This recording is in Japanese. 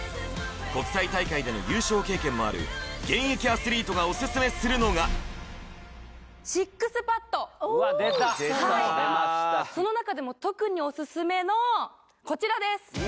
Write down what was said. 国際大会での優勝経験もある現役アスリートがオススメするのがうわ出たきたよその中でも特にオススメのこちらです